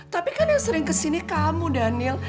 tapi kan yang sering kesini kamu daniel